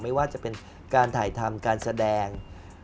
ไม่ว่าจะเป็นการถ่ายทำการแสดง